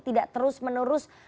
tidak terus menerus